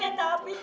nah ini ada apa itu